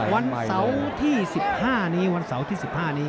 วันเสาที่สิบห้านี้วันเสาที่สิบห้านี้